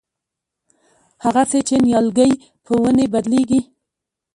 هغسې چې نیالګی په ونې بدلېږي.